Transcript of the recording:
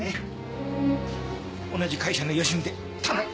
同じ会社のよしみで頼む！